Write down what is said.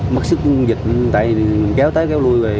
mất sức của con vịt tại mình kéo tới kéo lui rồi